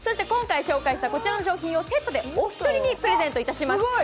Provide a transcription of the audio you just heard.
今回紹介したこちらの商品をセットでお一人にプレゼントいたします。